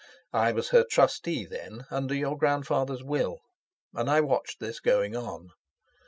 I was her trustee then, under your Grandfather's Will, and I watched this going on.